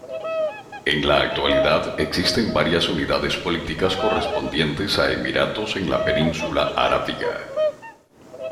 En la actualidad, existen varias unidades políticas correspondientes a emiratos en la península arábiga.